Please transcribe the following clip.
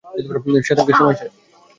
শ্বেতাঙ্গের সময় শেষ।